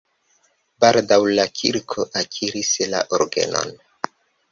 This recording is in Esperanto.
Baldaŭ la kirko akiris la orgenon.